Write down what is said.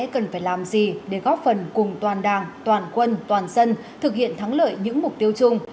cần phải làm gì để góp phần cùng toàn đảng toàn quân toàn dân thực hiện thắng lợi những mục tiêu chung